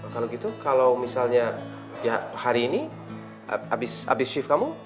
kalau gitu kalau misalnya ya hari ini habis shift kamu